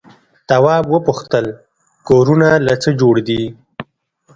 تواب وپوښتل کورونه له څه جوړ دي؟